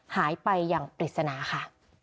หายไปอย่างปริศนาค่ะ